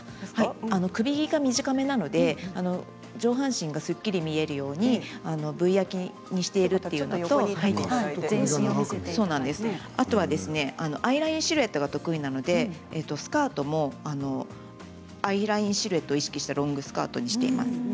首が短めなので上半身がすっきり見えるようにＶ開きにしているというのとＩラインシルエットが得意なのでスカートもＩラインシルエットを意識したロングスカートにしています。